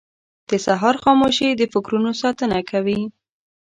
• د سهار خاموشي د فکرونو ساتنه کوي.